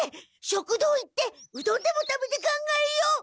食堂行ってうどんでも食べて考えよ。